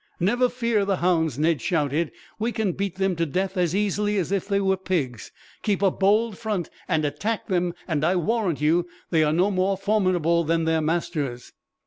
"Never fear the hounds," Ned shouted. "We can beat them to death, as easily as if they were pigs. Keep a bold front and attack them, and I warrant you they are no more formidable than their masters."